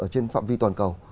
trên phạm vi toàn cầu